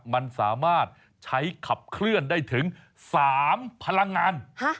มันสามารถใช้ขับเคลื่อนได้ถึง๓พลังงาน